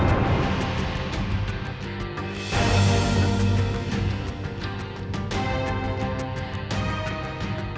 tapi yang bisa tetap diberi kesempatan